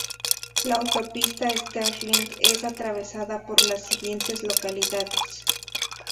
La Autopista Sterling es atravesada por las siguientes localidades.